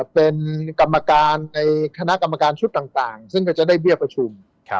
เป็นกรรมการในคณะกรรมการชุดต่างซึ่งก็จะได้เบี้ยประชุม